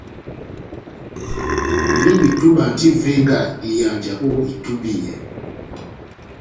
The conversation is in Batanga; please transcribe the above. Nʼyobi-túbɛ andi ó ivenga dihanja ó itúbiyɛ.